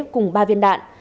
cùng ba viên đạn